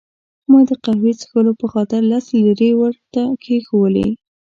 ما د قهوې څښلو په خاطر لس لیرې ورته کښېښوولې.